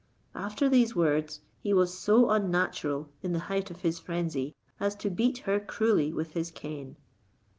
After these words, he was so unnatural, in the height of his frenzy, as to beat her cruelly with his cane.